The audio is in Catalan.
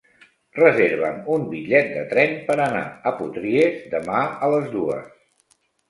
Reserva'm un bitllet de tren per anar a Potries demà a les dues.